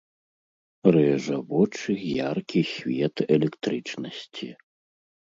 Рэжа вочы яркі свет электрычнасці.